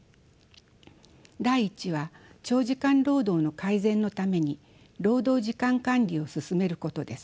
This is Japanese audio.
第１は長時間労働の改善のために労働時間管理を進めることです。